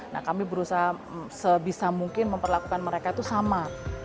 nah kami berusaha sebisa mungkin memperlakukan mereka itu sama